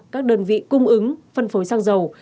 các đơn vị cung ứng phân phối sang giàu